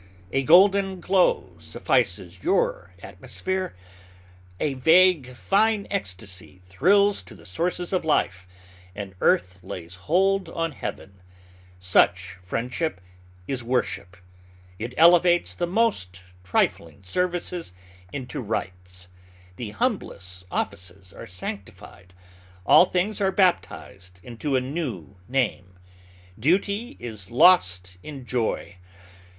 A golden glow suffices your atmosphere. A vague, fine ecstasy thrills to the sources of life, and earth lays hold on Heaven. Such friendship is worship. It elevates the most trifling services into rites. The humblest offices are sanctified. All things are baptized into a new name. Duty is lost in joy.